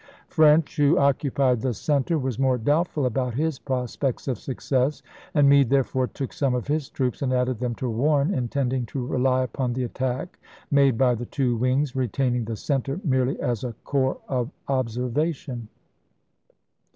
French, who occupied the center, was more doubtful about his prospects of success, Testimony. and Meade, therefore, took some of his troops and o^^^^^^^^f^ added them to Warren, intending to rely upon the ""i^^'*''' attack made by the two wings, retaining the center 5*^^345;' merely as a corps of observation.